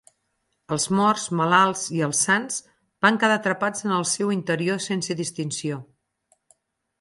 Els morts, malalts i els sans van quedar atrapats en el seu interior sense distinció.